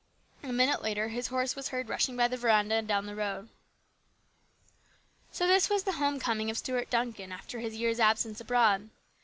A minute later his horse was heard rushing by the veranda and down the road. So this was the home coming of Stuart Duncan after his year's absence abroad.